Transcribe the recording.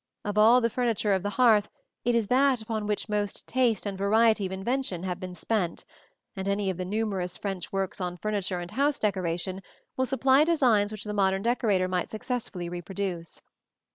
Of all the furniture of the hearth, it is that upon which most taste and variety of invention have been spent; and any of the numerous French works on furniture and house decoration will supply designs which the modern decorator might successfully reproduce (see Plate XXII).